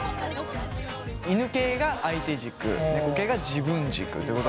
犬系が相手軸猫系が自分軸ってこと。